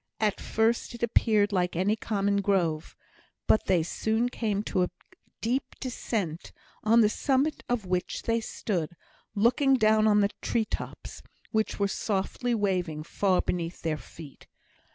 At first, it appeared like any common grove, but they soon came to a deep descent, on the summit of which they stood, looking down on the tree tops, which were softly waving far beneath their feet.